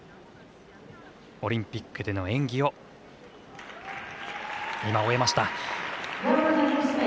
オリンピックでの演技を今、終えました。